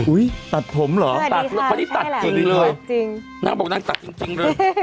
อุ้ยตัดผมเหรอตัดพอดีค่ะตัดจริงเลยตัดจริงนั่งบอกนั่งตัดจริงจริงเลย